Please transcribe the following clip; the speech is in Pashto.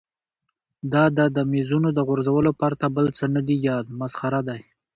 د ده د مېزونو د غورځولو پرته بل څه نه دي یاد، مسخره دی.